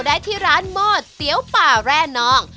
ได้ที่ร้านโมดเตี๋ยวป่าแร่นอง